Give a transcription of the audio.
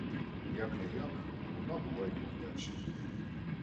Як-не-як — вона була йому вдячна.